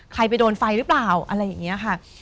ไปโดนไฟหรือเปล่าอะไรอย่างนี้ค่ะ